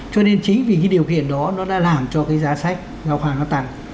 cho nên chính vì cái điều kiện đó nó đã làm cho cái giá sách giao khoản nó tăng